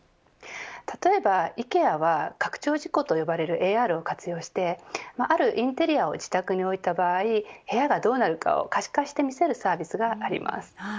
例えばＩＫＥＡは拡張自己と呼ばれるＡＲを活用してあるインテリアを自宅に置いた場合部屋がどうなるかを可視化して見せるサービスがあります。